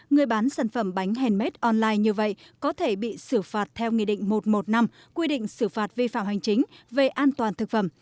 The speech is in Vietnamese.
người bán sản phẩm bánh handmade online như vậy có thể bị xử phạt theo nghị định một trăm một mươi năm quy định xử phạt vi phạm hành chính về an toàn thực phẩm